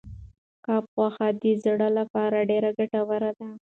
کب غوښه د زړه لپاره ډېره ګټوره ده.